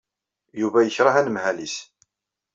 Yuba yekṛeh anemhal-nnes.